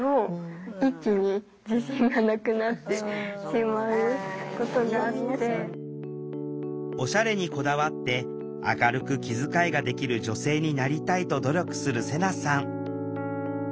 私もおしゃれにこだわって明るく気遣いができる女性になりたいと努力するセナさん。